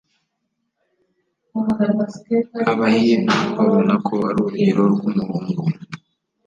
abahindu babona ko ari urugero rw’umuhungu